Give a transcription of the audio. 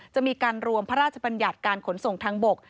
จะมีการรวมพระราชบัญญัติการขนส่งทางบก